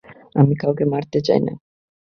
আমি কাউকেই মারতে চাই না।